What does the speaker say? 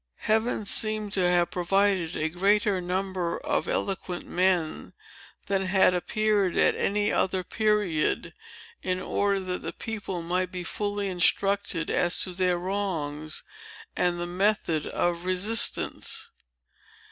Heaven seemed to have provided a greater number of eloquent men than had appeared at any other period, in order that the people might be fully instructed as to their wrongs, and the method of resistance.